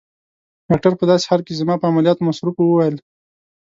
ډاکټر په داسې حال کې چي زما په عملیاتو مصروف وو وویل.